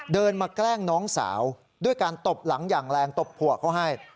เดินมาแกล้งน้องสาวด้วยการตบหลังอย่างแรงตบผัวเขาให้